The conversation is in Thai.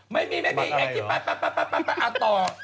ไม่มีไม่มีอ่าต่อ